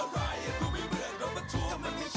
โอ้โฮโอ้โฮโอ้โฮโอ้โฮ